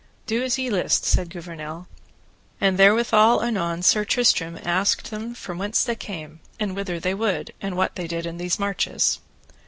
Do as ye list, said Gouvernail. And therewithal anon Sir Tristram asked them from whence they came, and whither they would, and what they did in those marches.